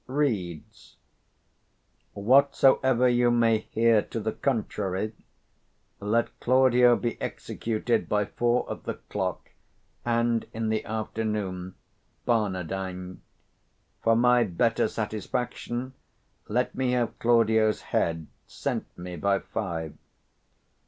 _ [Reads] Whatsoever you may hear to the contrary, let Claudio be executed by four of the clock; and in the afternoon Barnardine: for my 115 better satisfaction, let me have Claudio's head sent me by five.